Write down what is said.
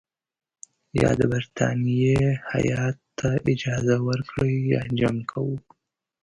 یا د برټانیې هیات ته اجازه ورکړئ یا جنګ کوو.